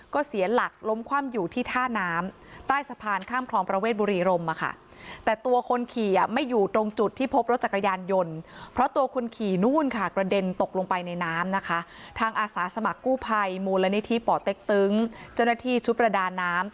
ก็เสียหลักล้มคว่ำอยู่ที่ท่าน้ำใต้สะพานข้ามคลองประเวทบุรีรมศ์